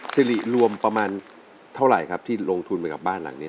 สิริรวมประมาณเท่าไหร่ครับที่ลงทุนไปกับบ้านหลังนี้